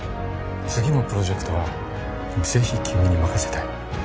次のプロジェクトはぜひ君に任せたい